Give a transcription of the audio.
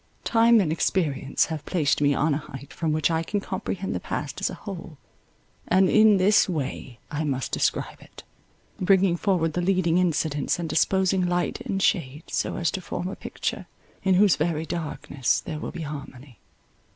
Time and experience have placed me on an height from which I can comprehend the past as a whole; and in this way I must describe it, bringing forward the leading incidents, and disposing light and shade so as to form a picture in whose very darkness there will be harmony.